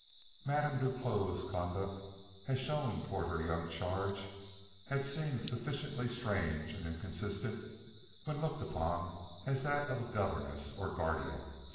Madame Duclos' conduct, as shown toward her young charge, had seemed sufficiently strange and inconsistent when looked upon as that of governess or guardian.